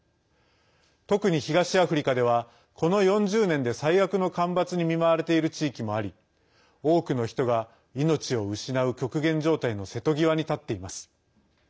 特に東アフリカではこの４０年で最悪の干ばつに見舞われている地域もあり多くの人が命を失う極限状態の瀬戸際に立っています。